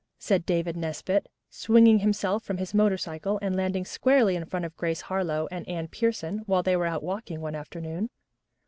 said David Nesbit, swinging himself from his motorcycle and landing squarely in front of Grace Harlowe and Anne Pierson while they were out walking one afternoon.